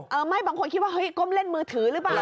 เออไม่บางคนคิดว่าเฮ้ยก้มเล่นมือถือหรือเปล่า